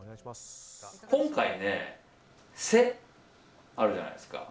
今回、「せ」あるじゃないですか。